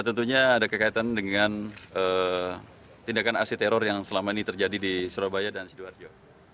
tentunya ada kekaitan dengan tindakan aksi teror yang selama ini terjadi di surabaya dan sidoarjo